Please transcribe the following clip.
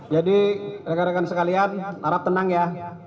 jadi rekan rekan sekalian harap tenang ya